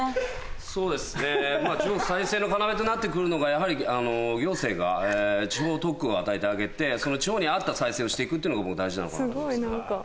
そうですね地方再生の要となって来るのがやはり行政が地方特区を与えてあげて地方に合った再生をして行くっていうのが大事なのかなと思います。